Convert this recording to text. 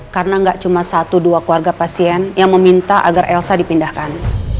karena enggak cuma satu dua keluarga pasien yang meminta agar elsa dipindahkan